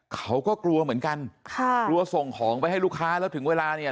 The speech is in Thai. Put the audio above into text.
เขาก็กลัวเหมือนกันค่ะกลัวส่งของไปให้ลูกค้าแล้วถึงเวลาเนี่ย